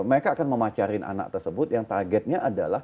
jadi mereka akan memacarin anak tersebut yang targetnya adalah